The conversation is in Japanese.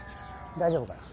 大丈夫かな？